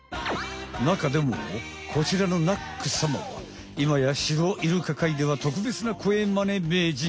なかでもこちらのナックさまはいまやシロイルカかいではとくべつな声マネ名人。